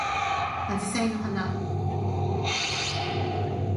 あじさいの花